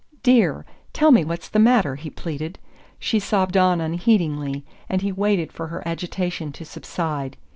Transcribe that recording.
"Dear, tell me what's the matter," he pleaded. She sobbed on unheedingly and he waited for her agitation to subside.